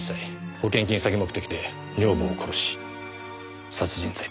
保険金詐欺目的で女房を殺し殺人罪で服役してた。